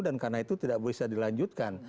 dan karena itu tidak bisa dilanjutkan